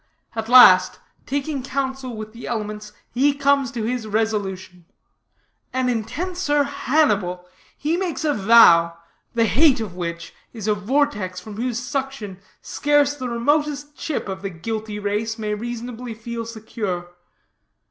At last, taking counsel with the elements, he comes to his resolution. An intenser Hannibal, he makes a vow, the hate of which is a vortex from whose suction scarce the remotest chip of the guilty race may reasonably feel secure.